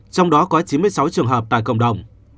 trong đó có chín mươi sáu trường hợp tại cộng đồng